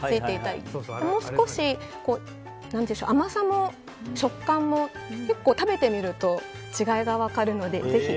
あともう少し甘さも食感も結構食べてみると違いが分かるのでぜひ。